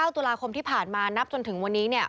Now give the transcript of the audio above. ตุลาคมที่ผ่านมานับจนถึงวันนี้เนี่ย